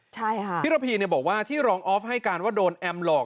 ใช่ค่ะพี่ระพีเนี่ยบอกว่าที่รองออฟให้การว่าโดนแอมหลอก